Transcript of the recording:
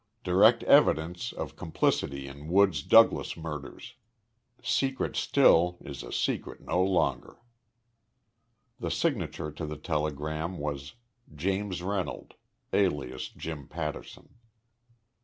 Direct evidence of complicity in Woods Douglas murders. Secret still is a secret no longer. The signature to the telegram was "James Reynolds, alias Jim Patterson."